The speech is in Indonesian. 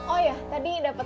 oh ya tadi dapet